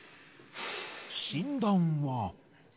診断は。